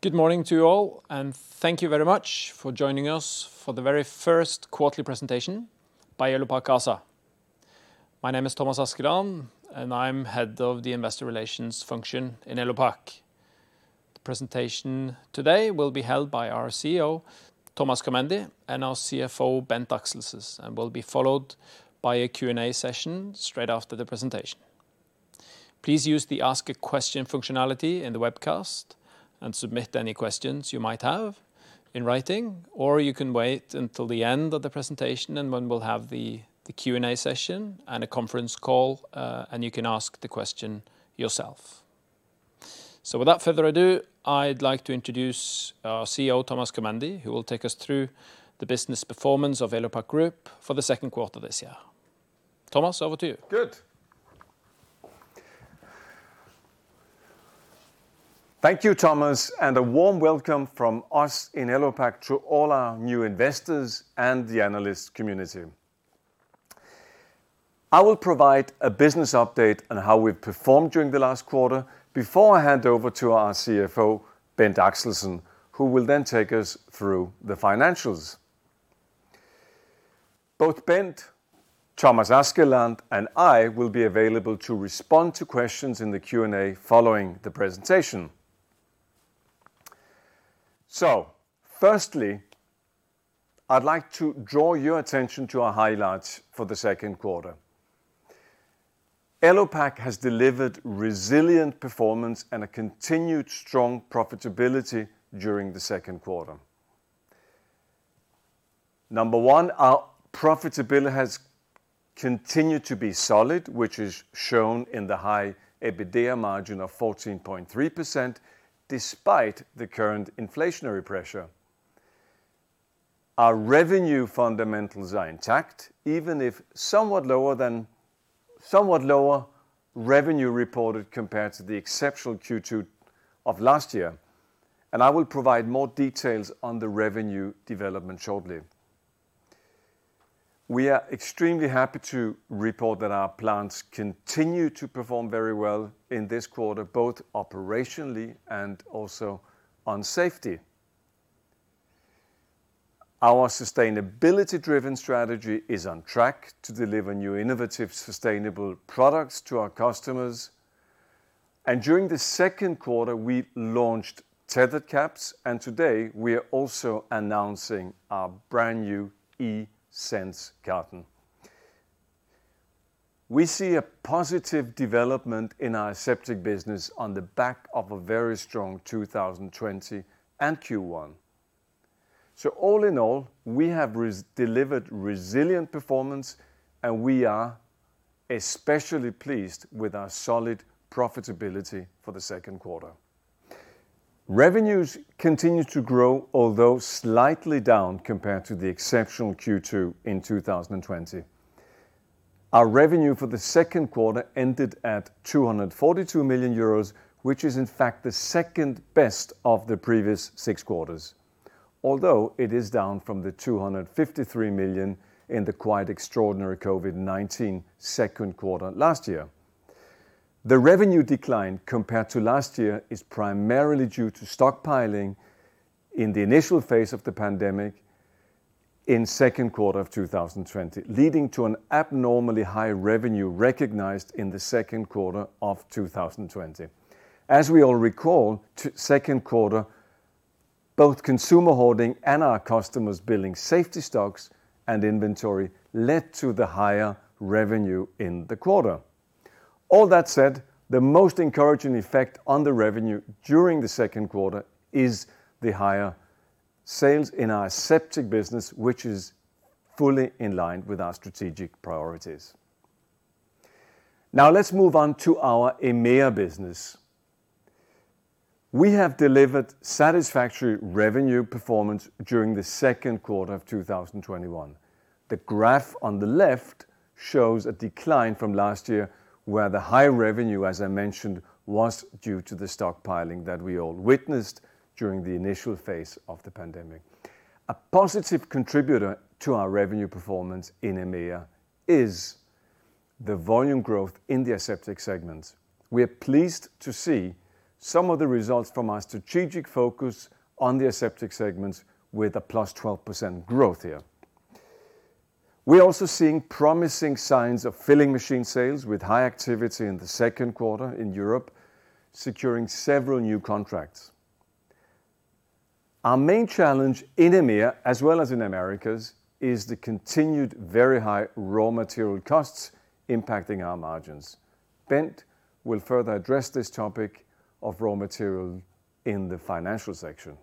Good morning to you all, and thank you very much for joining us for the very first quarterly presentation by Elopak ASA. My name is Thomas Askeland, and I'm Head of Investor Relations in Elopak. The presentation today will be held by our CEO, Thomas Körmendi, and our CFO, Bent Axelsen, and will be followed by a Q&A session straight after the presentation. Please use the ask a question functionality in the webcast and submit any questions you might have in writing, or you can wait until the end of the presentation and when we'll have the Q&A session and a conference call, and you can ask the question yourself. Without further ado, I'd like to introduce our CEO, Thomas Körmendi, who will take us through the business performance of Elopak Group for the second quarter of this year. Thomas, over to you. Good. Thank you, Thomas. A warm welcome from us in Elopak to all our new investors and the analyst community. I will provide a business update on how we've performed during the last quarter before I hand over to our CFO, Bent Axelsen, who will then take us through the financials. Both Bent, Thomas Askeland, and I will be available to respond to questions in the Q&A following the presentation. Firstly, I'd like to draw your attention to our highlights for the second quarter. Elopak has delivered resilient performance and a continued strong profitability during the second quarter. Number one, our profitability has continued to be solid, which is shown in the high EBITDA margin of 14.3%, despite the current inflationary pressure. Our revenue fundamentals are intact, even if somewhat lower revenue reported compared to the exceptional Q2 of last year. I will provide more details on the revenue development shortly. We are extremely happy to report that our plants continue to perform very well in this quarter, both operationally and also on safety. Our sustainability-driven strategy is on track to deliver new innovative, sustainable products to our customers. During the second quarter, we launched tethered caps, and today we are also announcing our brand-new eSense carton. We see a positive development in our aseptic business on the back of a very strong 2020 and Q1. All in all, we have delivered resilient performance, and we are especially pleased with our solid profitability for the second quarter. Revenues continue to grow, although slightly down compared to the exceptional Q2 in 2020. Our revenue for the second quarter ended at 242 million euros, which is in fact the second best of the previous six quarters. Although it is down from the 253 million in the quite extraordinary COVID-19 second quarter last year. The revenue decline compared to last year is primarily due to stockpiling in the initial phase of the pandemic in second quarter of 2020, leading to an abnormally high revenue recognized in the second quarter of 2020. As we all recall, second quarter, both Consumer Holding and our customers building safety stocks and inventory led to the higher revenue in the quarter. All that said, the most encouraging effect on the revenue during the second quarter is the higher sales in our aseptic business, which is fully in line with our strategic priorities. Now let's move on to our EMEA business. We have delivered satisfactory revenue performance during the second quarter of 2021. The graph on the left shows a decline from last year, where the high revenue, as I mentioned, was due to the stockpiling that we all witnessed during the initial phase of the pandemic. A positive contributor to our revenue performance in EMEA is the volume growth in the aseptic segment. We are pleased to see some of the results from our strategic focus on the aseptic segment with a +12% growth here. We are also seeing promising signs of filling machine sales with high activity in the second quarter in Europe, securing several new contracts. Our main challenge in EMEA, as well as in Americas, is the continued very high raw material costs impacting our margins. Bent will further address this topic of raw material in the financial section.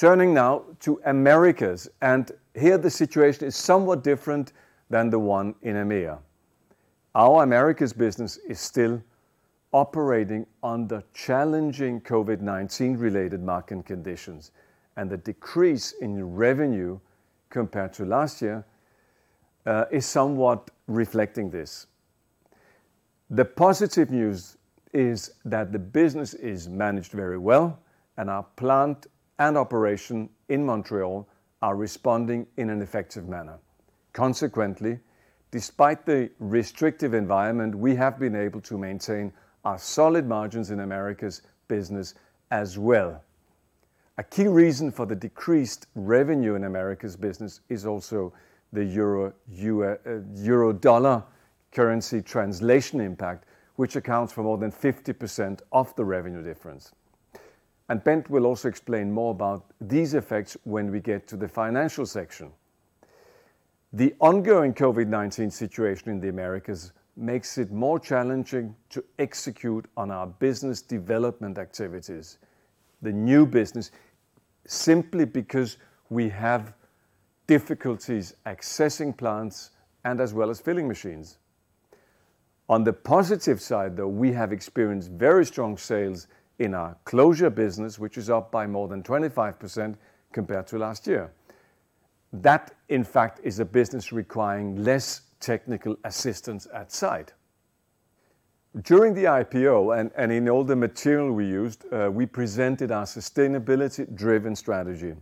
Turning now to Americas, here the situation is somewhat different than the one in EMEA. Our Americas business is still operating under challenging COVID-19 related market conditions, and the decrease in revenue compared to last year is somewhat reflecting this. The positive news is that the business is managed very well. Our plant and operation in Montreal are responding in an effective manner. Consequently, despite the restrictive environment, we have been able to maintain our solid margins in Americas business as well. A key reason for the decreased revenue in Americas business is also the euro-dollar currency translation impact, which accounts for more than 50% of the revenue difference. Bent will also explain more about these effects when we get to the financial section. The ongoing COVID-19 situation in the Americas makes it more challenging to execute on our business development activities, the new business, simply because we have difficulties accessing plants and as well as filling machines. On the positive side, though, we have experienced very strong sales in our closure business, which is up by more than 25% compared to last year. That, in fact, is a business requiring less technical assistance at site. During the IPO and in all the material we used, we presented our sustainability-driven strategy.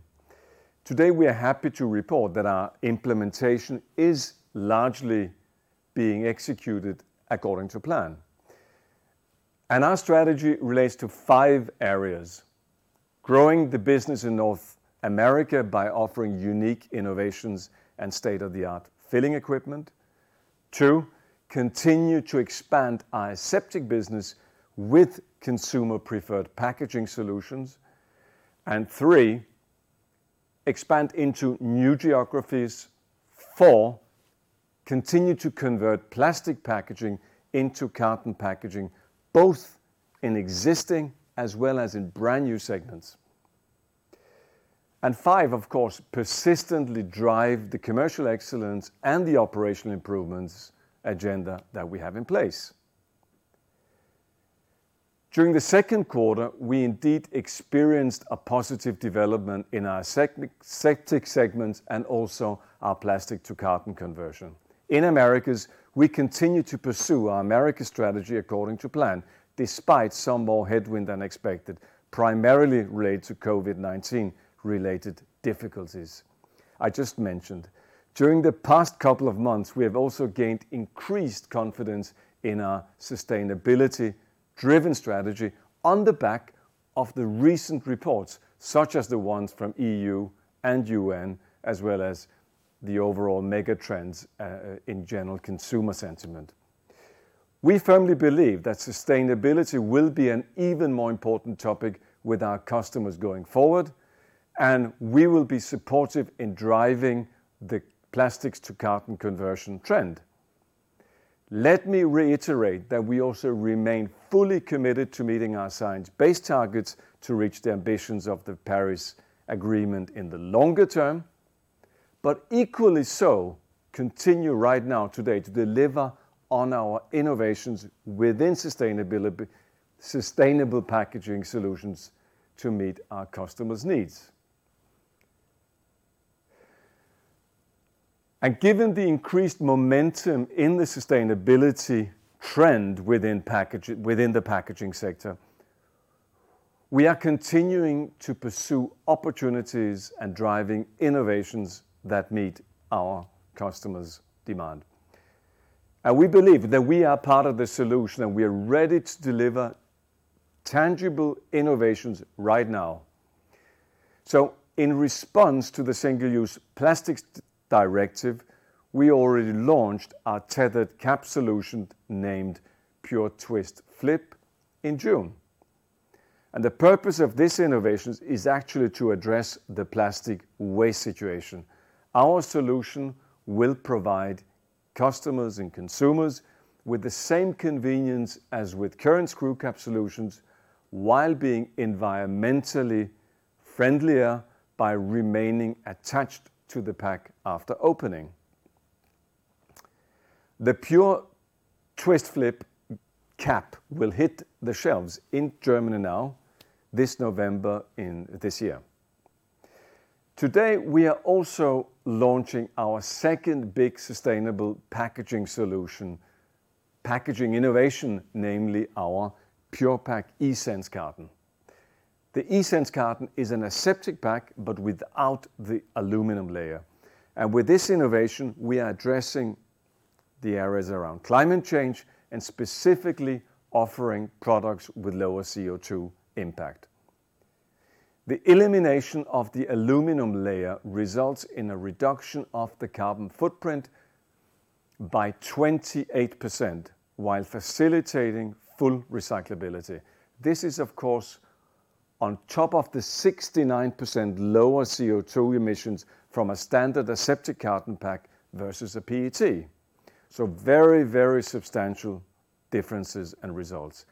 Today, we are happy to report that our implementation is largely being executed according to plan. Our strategy relates to five areas. One, growing the business in North America by offering unique innovations and state-of-the-art filling equipment. Two, continue to expand our aseptic business with consumer-preferred packaging solutions. Three, expand into new geographies. Four, continue to convert plastic packaging into carton packaging, both in existing as well as in brand-new segments. Five, of course, persistently drive the commercial excellence and the operational improvements agenda that we have in place. During the second quarter, we indeed experienced a positive development in our aseptic segments and also our plastic-to-carton conversion. In Americas, we continue to pursue our America strategy according to plan, despite some more headwind than expected, primarily related to COVID-19 related difficulties I just mentioned. During the past couple of months, we have also gained increased confidence in our sustainability-driven strategy on the back of the recent reports, such as the ones from EU and UN, as well as the overall mega trends in general consumer sentiment. We firmly believe that sustainability will be an even more important topic with our customers going forward, and we will be supportive in driving the plastics-to-carton conversion trend. Let me reiterate that we also remain fully committed to meeting our science-based targets to reach the ambitions of the Paris Agreement in the longer term, but equally so, continue right now today to deliver on our innovations within sustainable packaging solutions to meet our customers' needs. Given the increased momentum in the sustainability trend within the packaging sector, we are continuing to pursue opportunities and driving innovations that meet our customers' demand. We believe that we are part of the solution, and we are ready to deliver tangible innovations right now. In response to the Single-Use Plastics Directive, we already launched our tethered cap solution named Pure-TwistFlip in June. The purpose of this innovation is actually to address the plastic waste situation. Our solution will provide customers and consumers with the same convenience as with current screw cap solutions, while being environmentally friendlier by remaining attached to the pack after opening. The Pure-TwistFlip cap will hit the shelves in Germany now this November in this year. Today, we are also launching our second big sustainable packaging solution, packaging innovation, namely our Pure-Pak eSense carton. The eSense carton is an aseptic pack without the aluminum layer. With this innovation, we are addressing the areas around climate change and specifically offering products with lower CO2 impact. The elimination of the aluminum layer results in a reduction of the carbon footprint by 28% while facilitating full recyclability. This is, of course, on top of the 69% lower CO2 emissions from a standard aseptic carton pack versus a PET. Very substantial differences and results.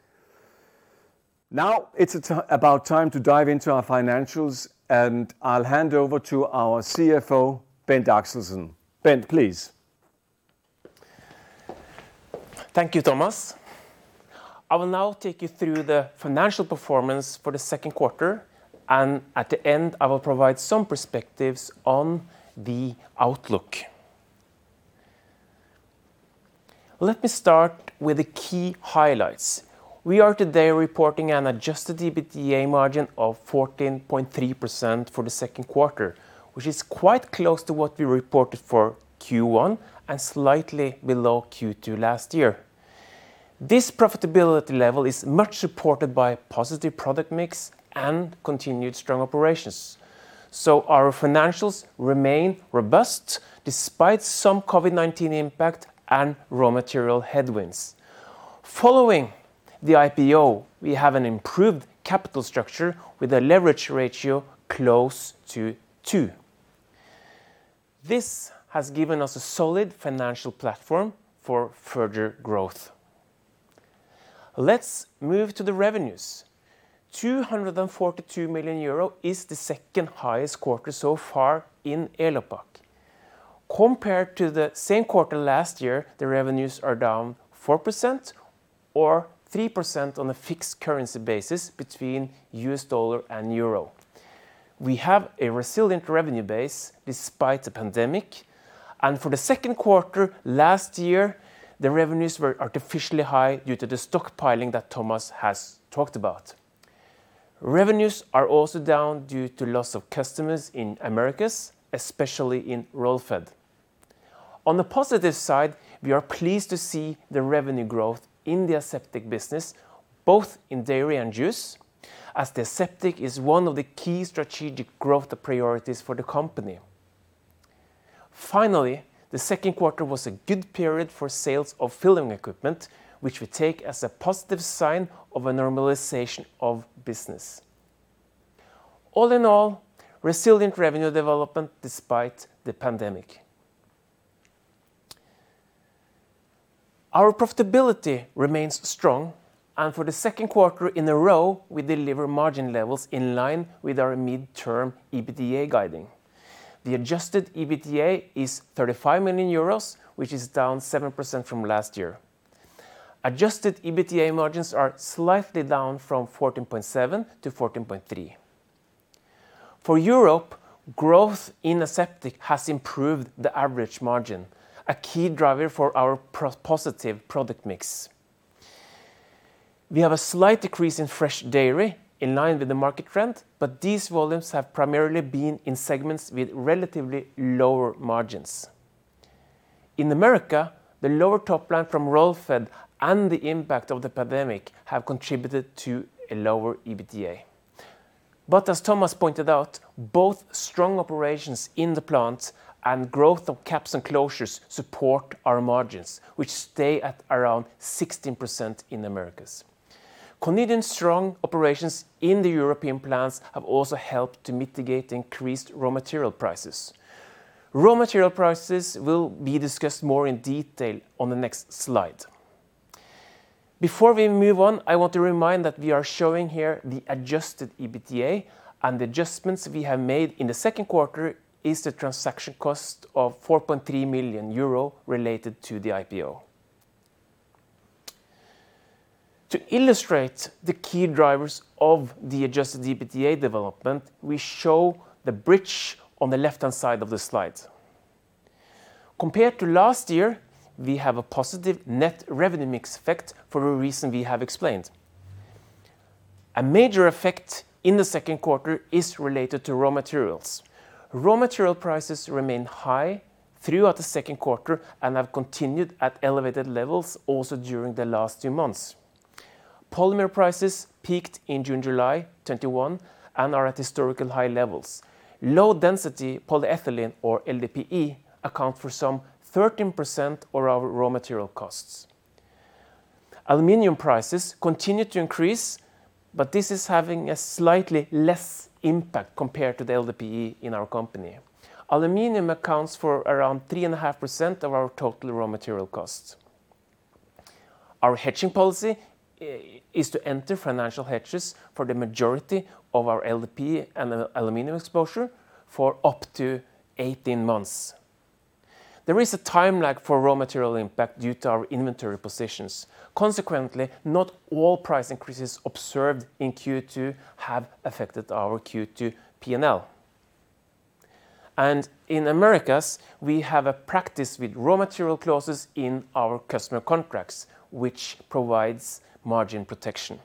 Now it's about time to dive into our financials, and I'll hand over to our CFO, Bent Axelsen. Bent, please. Thank you, Thomas. I will now take you through the financial performance for the second quarter, and at the end, I will provide some perspectives on the outlook. Let me start with the key highlights. We are today reporting an adjusted EBITDA margin of 14.3% for the second quarter, which is quite close to what we reported for Q1 and slightly below Q2 last year. This profitability level is much supported by positive product mix and continued strong operations. Our financials remain robust despite some COVID-19 impact and raw material headwinds. Following the IPO, we have an improved capital structure with a leverage ratio close to two. This has given us a solid financial platform for further growth. Let's move to the revenues. 242 million euro is the second highest quarter so far in Elopak. Compared to the same quarter last year, the revenues are down 4% or 3% on a fixed currency basis between US dollar and euro. We have a resilient revenue base despite the pandemic. For the second quarter last year, the revenues were artificially high due to the stockpiling that Thomas has talked about. Revenues are also down due to loss of customers in Americas, especially in Roll-Fed. On the positive side, we are pleased to see the revenue growth in the aseptic business, both in dairy and juice, as the aseptic is one of the key strategic growth priorities for the company. Finally, the second quarter was a good period for sales of filling equipment, which we take as a positive sign of a normalization of business. All in all, resilient revenue development despite the pandemic. Our profitability remains strong. For the second quarter in a row, we deliver margin levels in line with our midterm EBITDA guiding. The adjusted EBITDA is 35 million euros, which is down 7% from last year. Adjusted EBITDA margins are slightly down from 14.7%-14.3%. For Europe, growth in aseptic has improved the average margin, a key driver for our positive product mix. We have a slight decrease in fresh dairy in line with the market trend. These volumes have primarily been in segments with relatively lower margins. In Americas, the lower top line from Roll-Fed and the impact of the pandemic have contributed to a lower EBITDA. As Thomas pointed out, both strong operations in the plants and growth of caps and closures support our margins, which stay at around 16% in Americas. Continued strong operations in the European plants have also helped to mitigate increased raw material prices. Raw material prices will be discussed more in detail on the next slide. Before we move on, I want to remind that we are showing here the adjusted EBITDA and the adjustments we have made in the second quarter is the transaction cost of 4.3 million euro related to the IPO. To illustrate the key drivers of the adjusted EBITDA development, we show the bridge on the left-hand side of the slide. Compared to last year, we have a positive net revenue mix effect for the reason we have explained. A major effect in the second quarter is related to raw materials. Raw material prices remain high throughout the second quarter and have continued at elevated levels also during the last two months. Polymer prices peaked in June, July 2021 and are at historical high levels. Low-density polyethylene or LDPE account for some 13% of our raw material costs. Aluminum prices continue to increase, but this is having a slightly less impact compared to the LDPE in our company. Aluminum accounts for around 3.5% of our total raw material costs. Our hedging policy is to enter financial hedges for the majority of our LDPE and aluminum exposure for up to 18 months. There is a time lag for raw material impact due to our inventory positions. Consequently, not all price increases observed in Q2 have affected our Q2 P&L. In Americas, we have a practice with raw material clauses in our customer contracts, which provides margin protection.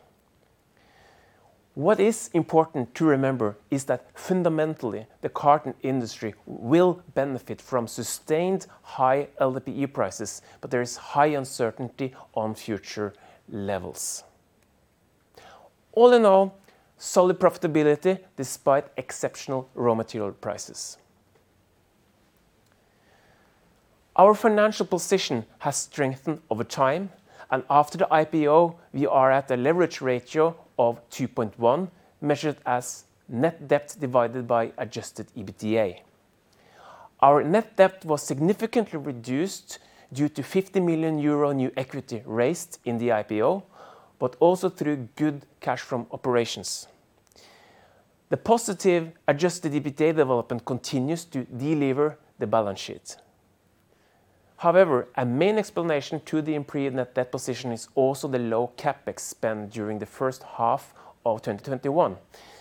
What is important to remember is that fundamentally, the carton industry will benefit from sustained high LDPE prices, but there is high uncertainty on future levels. All in all, solid profitability despite exceptional raw material prices. Our financial position has strengthened over time, and after the IPO, we are at a leverage ratio of 2.1x, measured as net debt divided by adjusted EBITDA. Our net debt was significantly reduced due to 50 million euro new equity raised in the IPO, but also through good cash from operations. The positive adjusted EBITDA development continues to delever the balance sheet. A main explanation to the improved net debt position is also the low CapEx spend during the first half of 2021.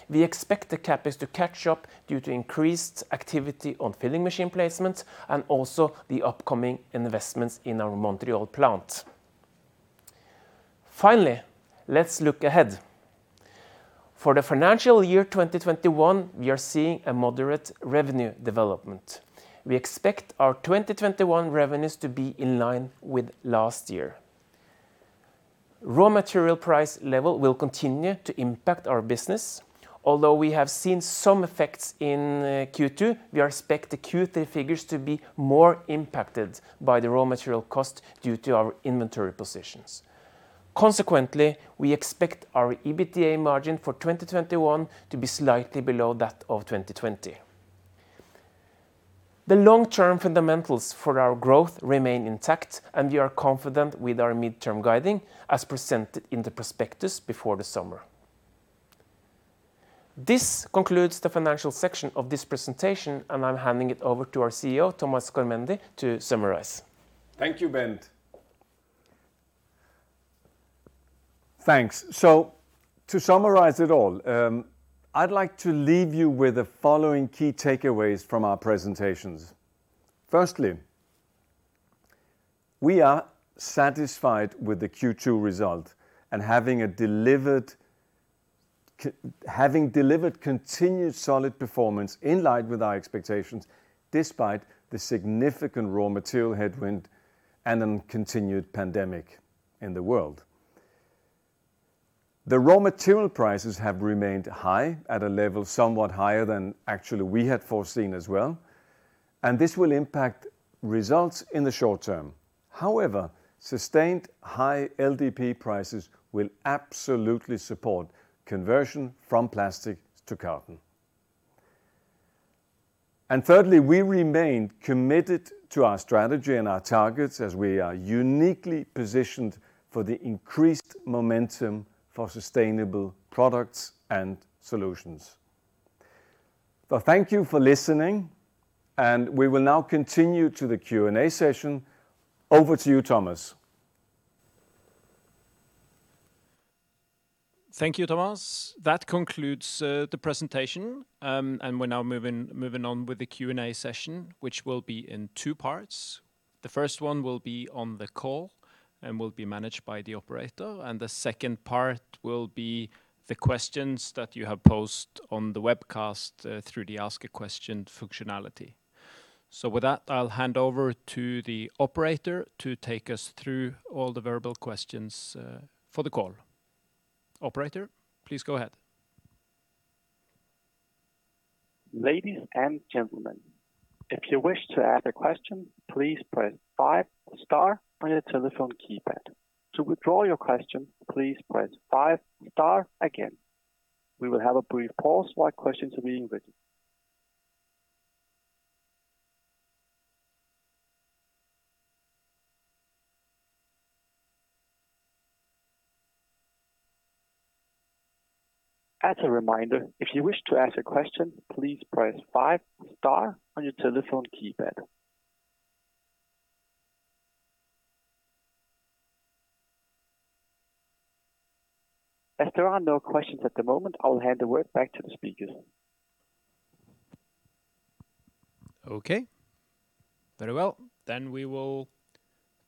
We expect the CapEx to catch up due to increased activity on filling machine placements and also the upcoming investments in our Montreal plant. Finally, let's look ahead. For the financial year 2021, we are seeing a moderate revenue development. We expect our 2021 revenues to be in line with last year. Raw material price level will continue to impact our business. Although we have seen some effects in Q2, we expect the Q3 figures to be more impacted by the raw material cost due to our inventory positions. Consequently, we expect our EBITDA margin for 2021 to be slightly below that of 2020. The long-term fundamentals for our growth remain intact, and we are confident with our midterm guiding, as presented in the prospectus before the summer. This concludes the financial section of this presentation, and I'm handing it over to our CEO, Thomas Körmendi, to summarize. Thank you, Bent. Thanks. To summarize it all, I'd like to leave you with the following key takeaways from our presentations. Firstly, we are satisfied with the Q2 result and having delivered continued solid performance in line with our expectations, despite the significant raw material headwind and a continued pandemic in the world. The raw material prices have remained high at a level somewhat higher than actually we had foreseen as well, and this will impact results in the short term. However, sustained high LDPE prices will absolutely support conversion from plastic to carton. Thirdly, we remain committed to our strategy and our targets as we are uniquely positioned for the increased momentum for sustainable products and solutions. Thank you for listening, and we will now continue to the Q&A session. Over to you, Thomas. Thank you, Thomas. That concludes the presentation, and we're now moving on with the Q&A session, which will be in two parts. The first one will be on the call and will be managed by the operator, and the second part will be the questions that you have posed on the webcast through the Ask a Question functionality. With that, I'll hand over to the operator to take us through all the verbal questions for the call. Operator, please go ahead. Ladies and gentlemen, if you wish to ask a question, please press five star on your telephone keypad. To withdraw your question, please press five star again. We will have a brief pause while questions are being written. As a reminder, if you wish to ask a question, please press five star on your telephone keypad. As there are no questions at the moment, I'll hand the word back to the speakers. Okay. Very well. We will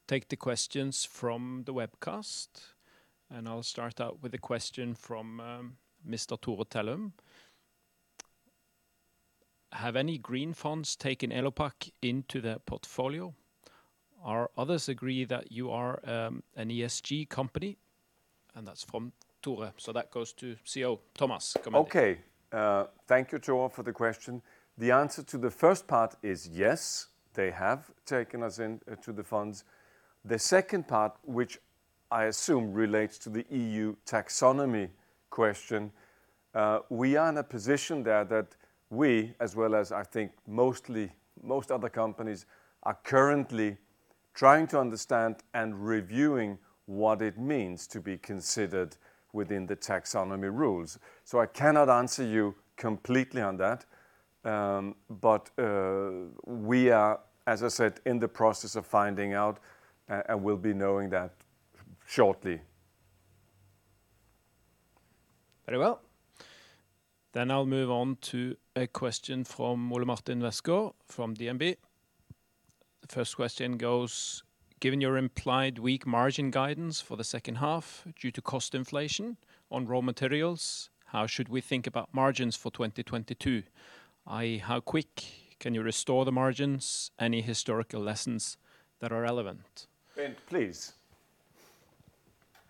take the questions from the webcast, and I'll start out with a question from Mr. Tore Tellefsen. Have any green funds taken Elopak into their portfolio? Others agree that you are an ESG company? That's from Tore, that goes to CEO Thomas. Okay. Thank you, Tore, for the question. The answer to the first part is yes, they have taken us into the funds. The second part, which I assume relates to the EU Taxonomy question, we are in a position there that we, as well as I think most other companies, are currently trying to understand and reviewing what it means to be considered within the taxonomy rules. I cannot answer you completely on that, but we are, as I said, in the process of finding out, and will be knowing that shortly. Very well. I'll move on to a question from Ole-Martin Westgaard from DNB. The first question goes, given your implied weak margin guidance for the second half due to cost inflation on raw materials, how should we think about margins for 2022? i.e., how quick can you restore the margins? Any historical lessons that are relevant? Bent, please.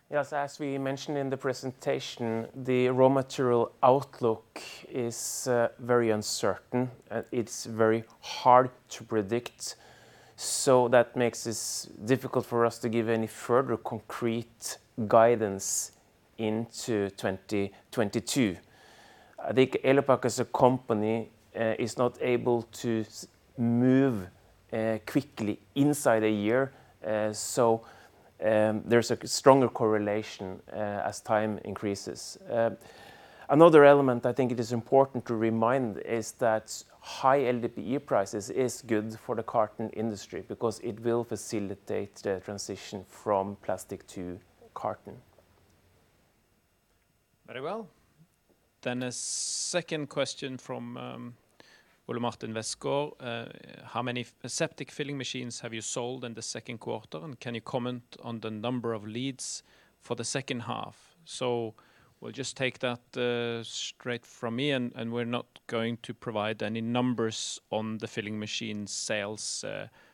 Yes, as we mentioned in the presentation, the raw material outlook is very uncertain. It's very hard to predict. That makes this difficult for us to give any further concrete guidance into 2022. I think Elopak as a company is not able to move quickly inside a year. There's a stronger correlation as time increases. Another element I think it is important to remind is that high LDPE prices is good for the carton industry because it will facilitate the transition from plastic to carton. Very well. A second question from Ole-Martin Westgaard: How many aseptic filling machines have you sold in the second quarter, and can you comment on the number of leads for the second half? We'll just take that straight from me, and we're not going to provide any numbers on the filling machine sales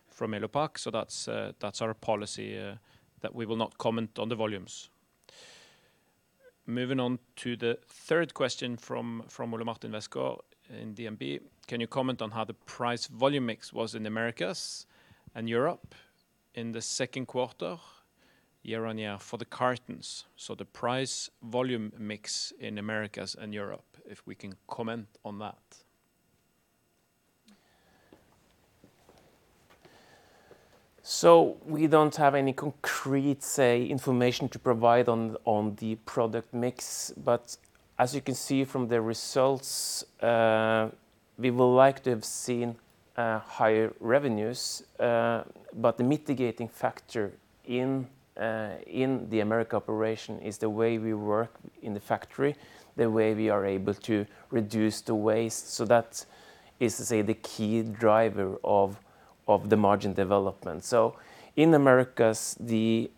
from Elopak. That's our policy, that we will not comment on the volumes. Moving on to the third question from Ole-Martin Westgaard in DNB: Can you comment on how the price-volume mix was in Americas and Europe in the second quarter year-on-year for the cartons? The price-volume mix in Americas and Europe, if we can comment on that. We don't have any concrete information to provide on the product mix. As you can see from the results, we would like to have seen higher revenues. The mitigating factor in the America operation is the way we work in the factory, the way we are able to reduce the waste. That is to say, the key driver of the margin development. In Americas, the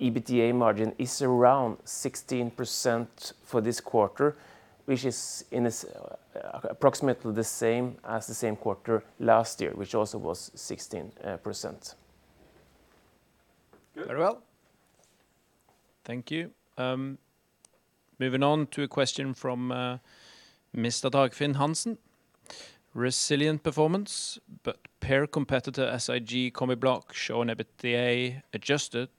EBITDA margin is around 16% for this quarter, which is approximately the same as the same quarter last year, which also was 16%. Very well. Thank you. Moving on to a question from Mr. Dagfinn Hansen: Resilient performance, but per competitor, SIG Group show an EBITDA adjusted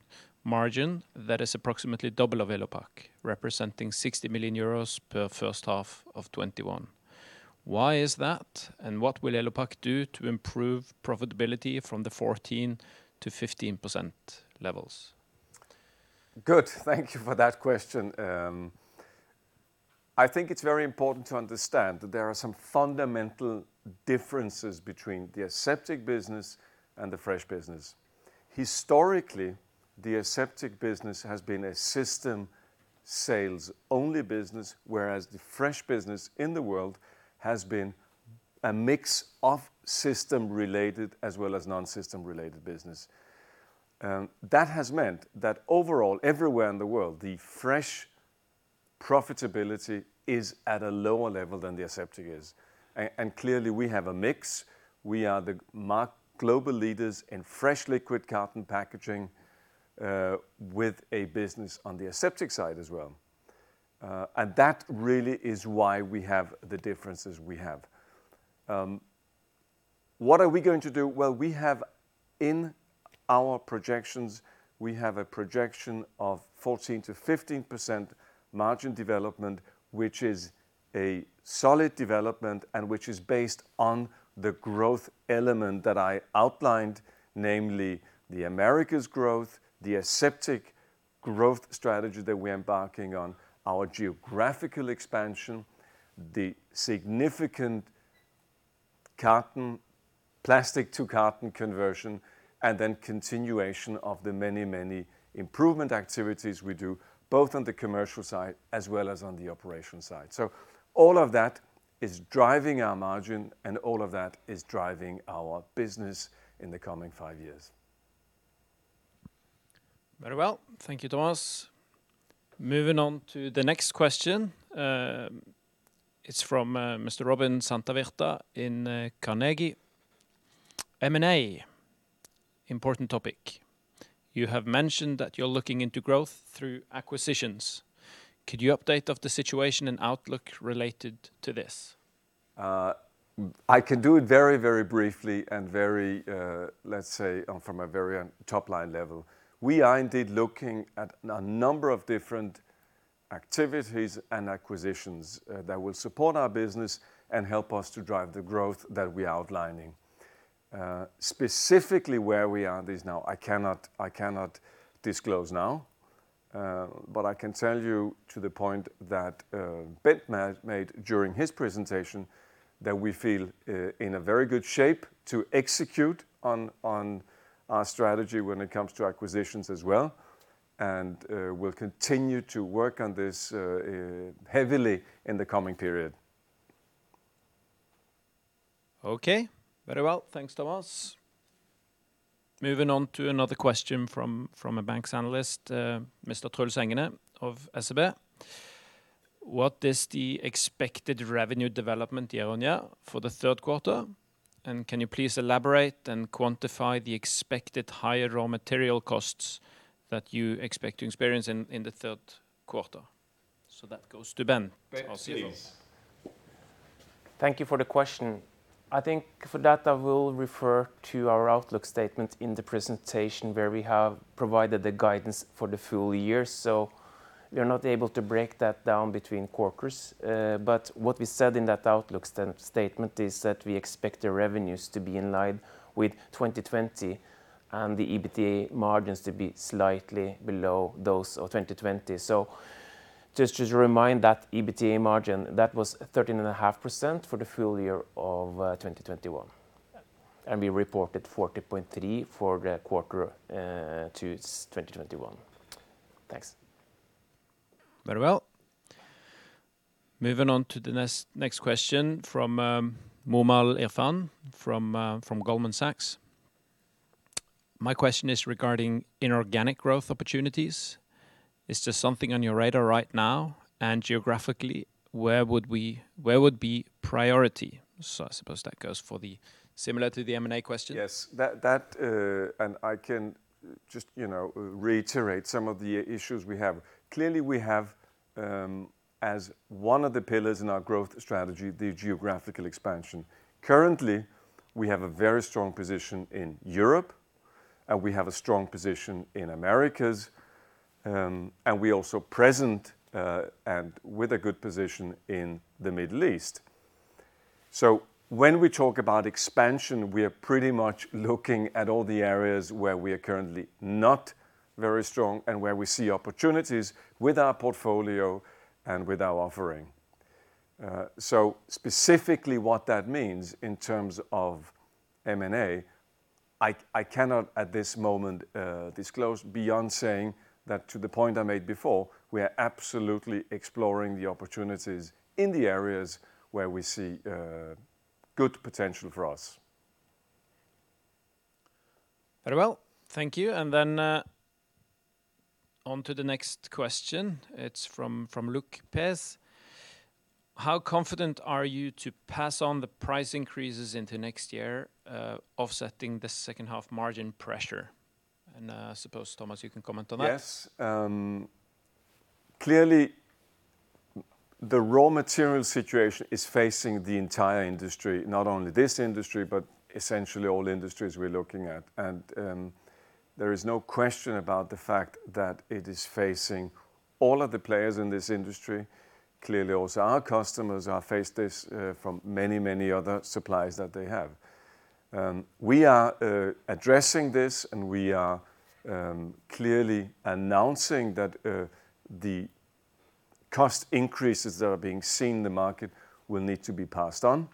margin that is approximately double of Elopak, representing 60 million euros per first half of 2021. Why is that, and what will Elopak do to improve profitability from the 14%-15% levels? Good. Thank you for that question. I think it is very important to understand that there are some fundamental differences between the aseptic business and the fresh business. Historically, the aseptic business has been a system sales only business, whereas the fresh business in the world has been a mix of system-related as well as non-system-related business. That has meant that overall, everywhere in the world, the fresh profitability is at a lower level than the aseptic is. Clearly, we have a mix. We are the global leaders in fresh liquid carton packaging with a business on the aseptic side as well. That really is why we have the differences we have. What are we going to do? Well, in our projections, we have a projection of 14%-15% margin development, which is a solid development and which is based on the growth element that I outlined, namely the Americas growth, the aseptic growth strategy that we're embarking on, our geographical expansion, the significant plastic to carton conversion, continuation of the many improvement activities we do, both on the commercial side as well as on the operation side. All of that is driving our margin, and all of that is driving our business in the coming five years. Very well. Thank you, Thomas. Moving on to the next question. It's from Mr. Robin Santavirta in Carnegie. M&A, important topic. You have mentioned that you're looking into growth through acquisitions. Could you update of the situation and outlook related to this? I can do it very briefly and, let's say, from a very top-line level. We are indeed looking at a number of different activities and acquisitions that will support our business and help us to drive the growth that we are outlining. Specifically, where we are with this now, I cannot disclose now, but I can tell you to the point that Bent made during his presentation, that we feel in a very good shape to execute on our strategy when it comes to acquisitions as well, and we'll continue to work on this heavily in the coming period. Okay. Very well. Thanks, Thomas. Moving on to another question from a banks analyst, Mr. Truls Engene of SEB: What is the expected revenue development year-on-year for the third quarter, and can you please elaborate and quantify the expected higher raw material costs that you expect to experience in the third quarter? That goes to Bent or Steve. Thank you for the question. I think for that, I will refer to our outlook statement in the presentation where we have provided the guidance for the full year. We are not able to break that down between quarters. What we said in that outlook statement is that we expect the revenues to be in line with 2020 and the EBITDA margins to be slightly below those of 2020. Just to remind that EBITDA margin, that was 13.5% for the full year of 2021. We reported 40.3% for the quarter to 2021. Thanks. Very well. Moving on to the next question from Moomal Irfan from Goldman Sachs. "My question is regarding inorganic growth opportunities. Is this something on your radar right now? And geographically, where would be priority?" I suppose that goes similar to the M&A question. Yes. I can just reiterate some of the issues we have. Clearly, we have, as one of the pillars in our growth strategy, the geographical expansion. Currently, we have a very strong position in Europe, and we have a strong position in Americas, and we are also present and with a good position in the Middle East. When we talk about expansion, we are pretty much looking at all the areas where we are currently not very strong and where we see opportunities with our portfolio and with our offering. Specifically what that means in terms of M&A, I cannot at this moment disclose beyond saying that to the point I made before, we are absolutely exploring the opportunities in the areas where we see good potential for us. Very well. Thank you. Then on to the next question. It's from Luke Pez: "How confident are you to pass on the price increases into next year, offsetting the second half margin pressure?" I suppose, Thomas, you can comment on that. Yes. Clearly, the raw material situation is facing the entire industry, not only this industry, but essentially all industries we're looking at. There is no question about the fact that it is facing all of the players in this industry. Clearly also our customers are faced this from many other suppliers that they have. We are addressing this, and we are clearly announcing that the cost increases that are being seen in the market will need to be passed on,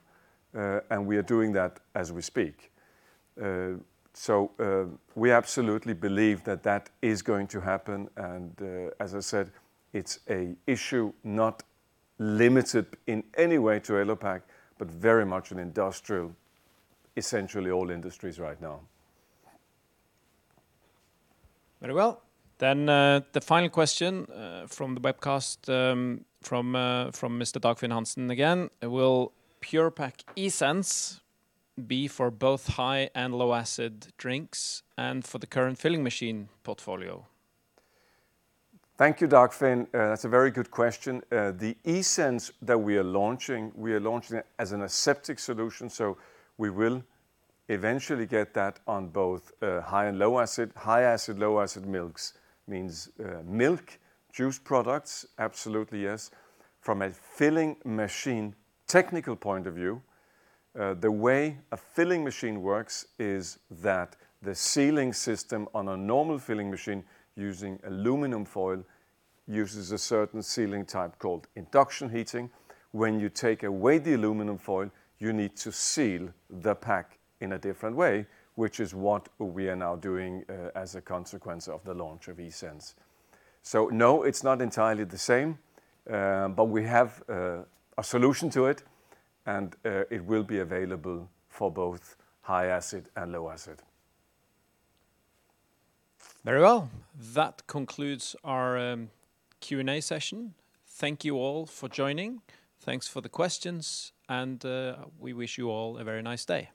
and we are doing that as we speak. We absolutely believe that that is going to happen, and as I said, it's a issue not limited in any way to Elopak, but very much an industrial, essentially all industries right now. Very well. The final question from the webcast, from Mr. Dagfinn Hansen again: "Will Pure-Pak eSense be for both high and low acid drinks and for the current filling machine portfolio? Thank you, Dagfinn. That's a very good question. The eSense that we are launching, we are launching as an aseptic solution, so we will eventually get that on both high and low acid. High acid, low acid milks means milk, juice products, absolutely yes. From a filling machine technical point of view, the way a filling machine works is that the sealing system on a normal filling machine using aluminum foil uses a certain sealing type called induction heating. When you take away the aluminum foil, you need to seal the pack in a different way, which is what we are now doing as a consequence of the launch of eSense. No, it's not entirely the same, but we have a solution to it, and it will be available for both high acid and low acid. Very well. That concludes our Q&A session. Thank you all for joining. Thanks for the questions, and we wish you all a very nice day. Thank you.